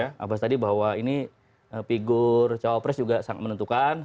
mas abbas tadi bahwa ini figur cowok pres juga sangat menentukan